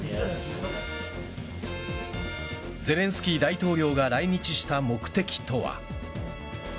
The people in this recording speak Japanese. ゼレンスキー大統領が来日した目的とは。